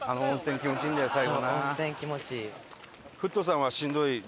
温泉気持ちいい。